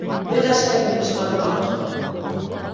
Беҙ ашайбыҙ бишбармаҡ!